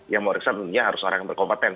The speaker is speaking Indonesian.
yang memeriksa harus orang yang berkompetensi